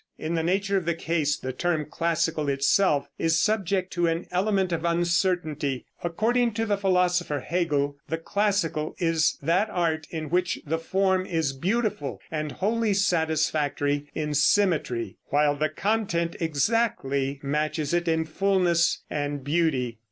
In the nature of the case, the term classical itself is subject to an element of uncertainty. According to the philosopher Hegel, the classical is that art in which the form is beautiful and wholly satisfactory in symmetry, while the content exactly matches it in fullness and beauty.